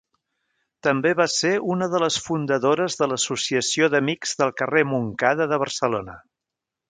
També va ser una de les fundadores de l'Associació d'Amics del Carrer Montcada de Barcelona.